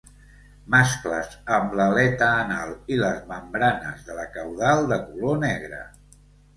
Mascles amb l'aleta anal i les membranes de la caudal de color negre.